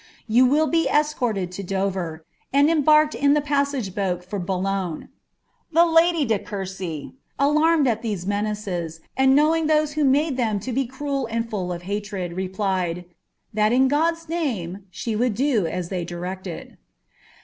Tou will lie escoried to Dorer, and embarked in ihejM Mge boat for Boulopie," The lady of Courcy, alarmed ai tfaew a^ naees, uid knowing those who made tliem to be cruel and full of hMR^ replied, " That in God's name she would do as they directed."